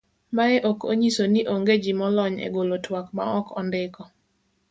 mae ok onyiso ni ong'e ji molony e golo twak ma ok ondiko